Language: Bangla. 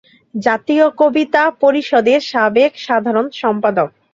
জাতীয় কবিতা পরিষদ এর সাবেক সাধারণ সম্পাদক।